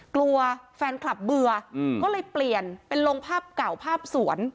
กลัวแฟนคลับเบื่อก็เลยเปลี่ยนเป็นลงภาพเก่าภาพสวน